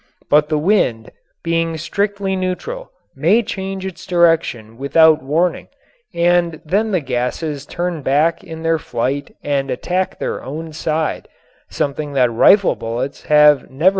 But the wind, being strictly neutral, may change its direction without warning and then the gases turn back in their flight and attack their own side, something that rifle bullets have never been known to do.